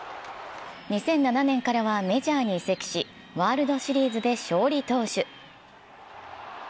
２００７年からはメジャーに移籍し、ワールドシリーズで勝利投手。